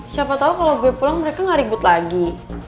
siapa tahu kalau gue pulang mereka gak ribut lagi